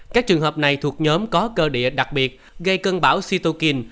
các trường hợp này thuộc nhóm có cơ địa đặc biệt gây cân bão cytokine